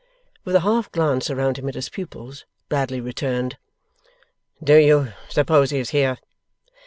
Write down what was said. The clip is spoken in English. With a half glance around him at his pupils, Bradley returned: 'Do you suppose he is here?